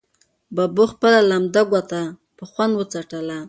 ببو خپله لمده ګوته په خوند وڅټله.